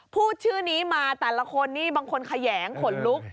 พูดชื่อนี้มาแต่ละคนนี่บางคนแขยงขนลุก